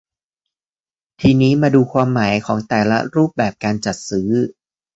ทีนี้มาดูความหมายของแต่ละรูปแบบการจัดซื้อ